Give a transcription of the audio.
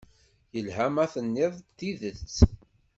Yelha ma tenniḍ-d tidet.